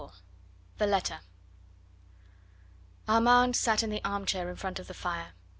THE LETTER Armand sat in the armchair in front of the fire.